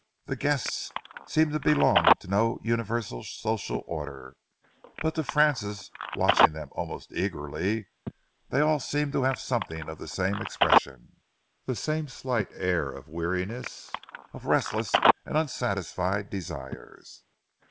The guests seemed to belong to no universal social order, but to Francis, watching them almost eagerly, they all seemed to have something of the same expression, the same slight air of weariness, of restless and unsatisfied desires.